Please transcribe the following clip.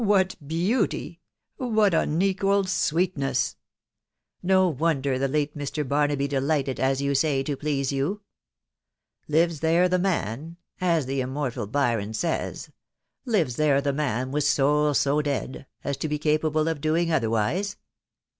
•••• what beauty !•••. what unequalled sweetness ! No wonder the late Mr. Barnaby delighted, as you say, to please you !' Lives there the man,' as the immortal Byron says — 'Lives there the man with soul so dead,' as to be capable of doing otherwise